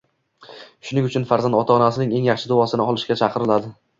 Shuning uchun farzand ota-onasining eng yaxshi duosini olishga chaqiriladi